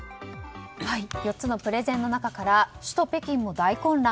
４つのプレゼンの中から首都・北京も大混乱